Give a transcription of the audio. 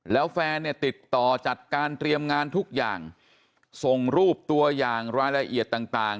แล้วแฟนเนี่ยติดต่อจัดการเตรียมงานทุกอย่างส่งรูปตัวอย่างรายละเอียดต่าง